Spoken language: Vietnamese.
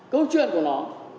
câu chuyện của nó